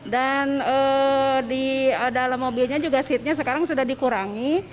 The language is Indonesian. dan di dalam mobilnya juga seatnya sekarang sudah dikurangi